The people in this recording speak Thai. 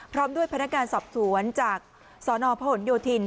พร้อมด้วยพนักงานสอบสวนจากสนพหนโยธิน